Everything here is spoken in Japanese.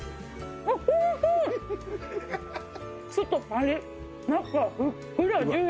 外パリッ中ふっくらジューシー。